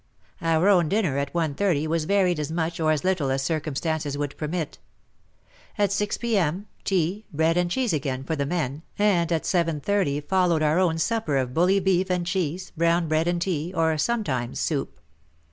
Our own dinner at 1.30 was varied as much or as little as circumstances would permit. At 6 p.m. tea, bread and cheese again for the men, and at 7.30 followed our own supper of bully beef and cheese, brown bread and tea, or sometimes soup.